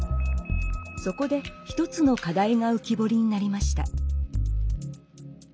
そこで一つの課題が浮き彫りになりました。